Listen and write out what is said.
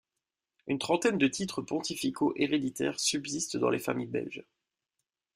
Une trentaine de titres pontificaux héréditaires subsistent dans les familles belges.